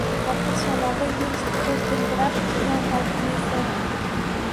Qattiq shamolda yoʻl chetida dildirab turgan paytimni eslayman